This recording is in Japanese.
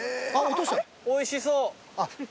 おいしそう。